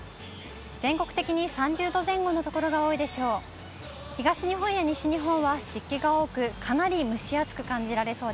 全国的に３０度前後の所が多いでしょう。